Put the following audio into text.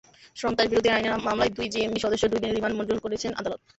সন্ত্রাসবিরোধী আইনের মামলায় দুই জেএমবি সদস্যের দুই দিনের রিমান্ড মঞ্জুর করেছেন আদালত।